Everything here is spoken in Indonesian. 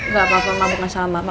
gak apa apa mama bukan salah mama